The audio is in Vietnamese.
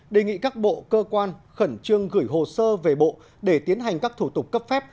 đề nghị các bộ cơ quan khẩn trương gửi hồ sơ về bộ để tiến hành các thủ tục cấp phép